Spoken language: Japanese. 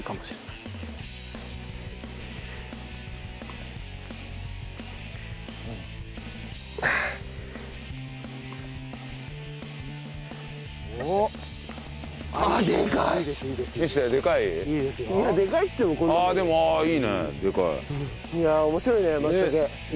いや面白いね松茸。